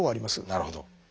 なるほど。